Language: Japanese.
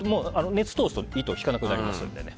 熱を通すと糸を引かなくなりますんで。